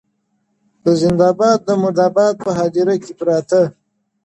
د زنده باد د مردباد په هديره كي پراته,